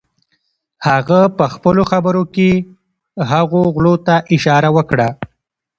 هغه پهخپلو خبرو کې هغو غلو ته اشاره وکړه.